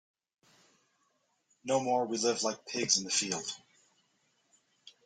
No more we live like pigs in the field.